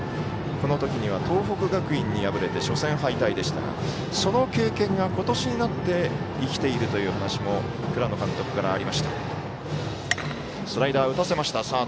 この時には東北学院に敗れて初戦敗退でしたがその経験が今年になって生きているという話も倉野監督からありました。